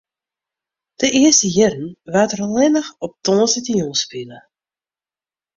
De earste jierren waard der allinne op tongersdeitejûn spile.